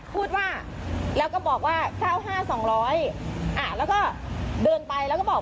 เปิดกระจกแค่นี้